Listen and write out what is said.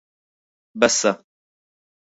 بەسە.